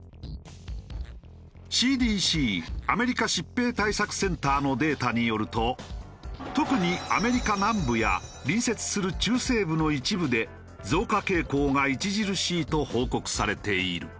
ＣＤＣアメリカ疾病対策センターのデータによると特にアメリカ南部や隣接する中西部の一部で増加傾向が著しいと報告されている。